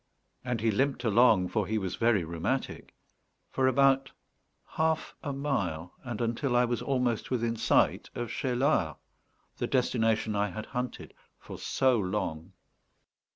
And he limped along, for he was very rheumatic, for about half a mile, and until I was almost within sight of Cheylard, the destination I had hunted for so long.